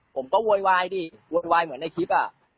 โวยวายดิโวยวายเหมือนในคลิป